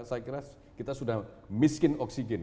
saya kira kita sudah miskin oksigen